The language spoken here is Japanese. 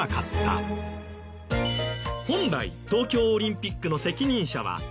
本来東京オリンピックの責任者は東京都。